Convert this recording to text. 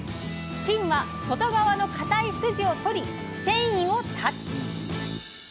芯は外側のかたい筋をとり繊維を断つ！